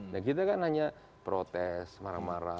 nah kita kan hanya protes marah marah